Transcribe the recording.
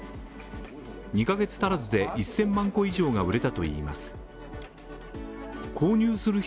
２カ月足らずで１０００万個以上が売れたといいます。